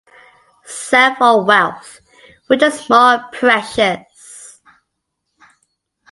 Self or Wealth: Which is more precious?